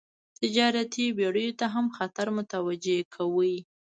تجارتي بېړیو ته هم خطر متوجه کاوه.